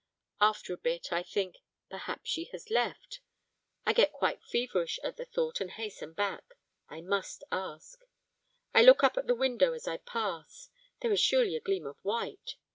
After a bit, I think 'perhaps she has left'. I get quite feverish at the thought and hasten back. I must ask. I look up at the window as I pass; there is surely a gleam of white.